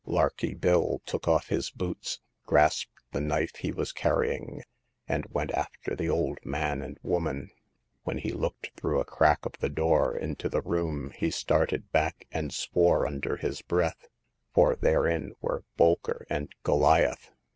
Larky Bill took off his boots, grasped the knife he was carrying, and went after the old man and woman. When he looked through a crack of the door into the room, he started back and swore under his breath, for therein were Bolker and Goliath.